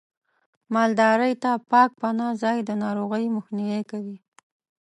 مالدارۍ ته پاک پناه ځای د ناروغیو مخنیوی کوي.